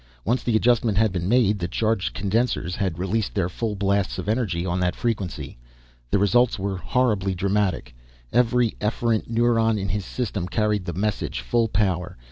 Once the adjustment had been made, the charged condensers had released their full blasts of energy on that frequency. The results were horribly dramatic. Every efferent neuron in his system carried the message full power.